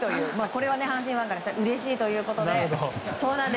これは阪神ファンからしたらうれしいということで。